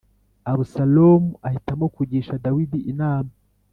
Abusalomu ahitamo kugisha Dawidi inama